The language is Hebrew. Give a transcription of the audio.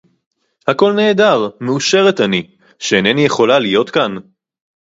הכול נהדר! מאושרת אני, שהנני יכולה להיות כאן.